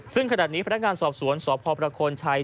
ซึ่งขณะนี้พนักงานสอบสวนสพประโคนชัย